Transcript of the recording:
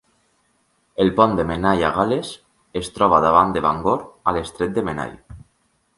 El pont de Menai a Gal·les es troba davant de Bangor a l'estret de Menai.